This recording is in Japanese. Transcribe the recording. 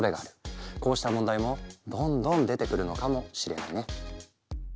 こうした問題もどんどん出てくるのかもしれないね。